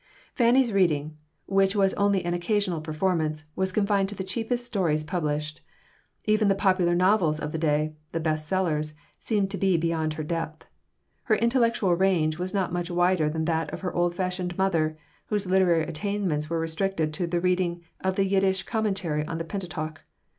Fanny's reading, which was only an occasional performance, was confined to the cheapest stories published. Even the popular novels of the day, the "best sellers," seemed to be beyond her depth. Her intellectual range was not much wider than that of her old fashioned mother, whose literary attainments were restricted to the reading of the Yiddish Commentary on the Pentateuch.